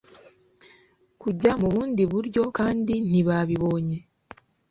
Kujya mu bundi buryo kandi ntibabibonye